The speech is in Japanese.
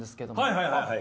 はいはいはい！